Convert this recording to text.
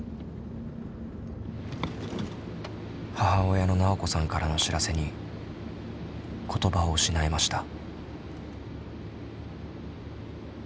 母親のなおこさんからの知らせに言葉を失いました。